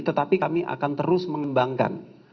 tetapi kami akan terus mengembangkan